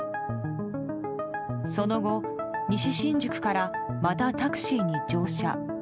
その後西新宿からまたタクシーに乗車。